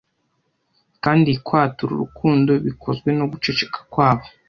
kandi kwatura urukundo bikozwe no guceceka kwabo